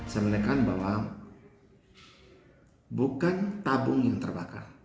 saya menekan bahwa bukan tabung yang terbakar